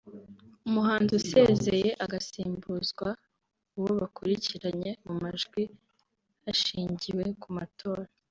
umuhanzi usezeye agasimbuzwa uwo bakurikiranye mu majwi hashingiwe ku matora